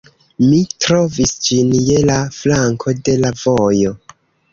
Mi trovis ĝin je la flanko de la vojo